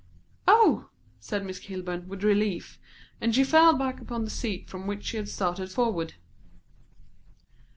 "Oh," said Miss Kilburn, with relief; and she fell back upon the seat from which she had started forward.